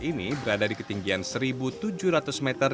ini berada di ketinggian seribu tujuh ratus meter